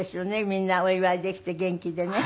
みんなお祝いできて元気でね。